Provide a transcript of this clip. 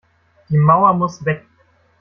Die Mauer muss weg!